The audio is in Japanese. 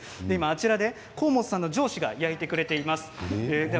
あちらで河本さんの上司が焼いてくれています。